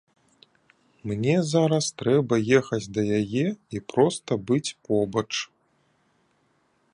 Мне зараз трэба ехаць да яе і проста быць побач.